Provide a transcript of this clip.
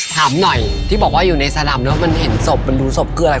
ถามหน่อยที่บอกว่าอยู่ในสลำแล้วมันเห็นศพมันดูศพคืออะไร